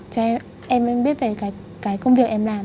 cho em biết về cái công việc em làm